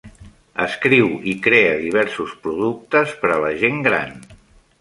Escriu i crea diversos productes per a la gent gran.